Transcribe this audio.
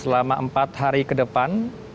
selama empat hari ke depan